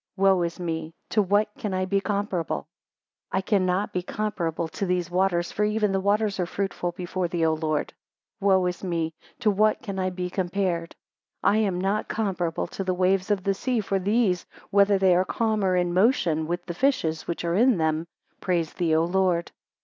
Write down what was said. Wo is me, to what am I comparable? 5 I cannot be comparable to these waters, for even the waters are fruitful before thee, O Lord! Wo is me, to what can I be compared? 6 I am not comparable to the waves of the sea; for these, whether they are calm, or in motion, with the fishes which are in them, praise thee, O Lord!